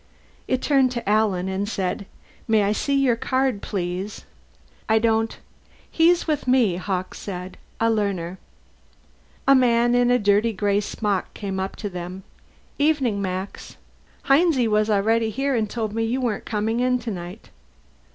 It turned to Alan and said, "May I see your card, please?" "I don't " "He's with me," Hawkes said. "A learner." A man in a dirty gray smock came up to them. "Evening, Max. Hinesy was here already and told me you weren't coming in tonight."